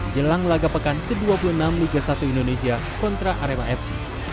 jelang laga pekan ke dua puluh enam liga satu indonesia kontra arema fc